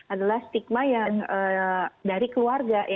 adalah stigma yang dari keluarga